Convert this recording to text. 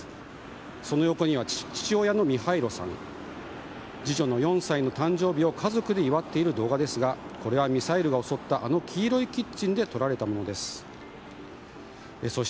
その横には父親のミハイロさんが次女の４歳の誕生日を家族で祝っている動画ですがこれはミサイルが襲ったあの黄色いキッチンで撮られました。